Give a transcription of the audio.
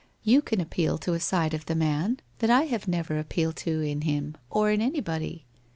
You can appeal to a side of the men that I have never appealed to in him, or in anybody.